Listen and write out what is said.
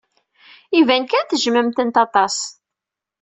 Iban kan tejjmem-tent aṭas.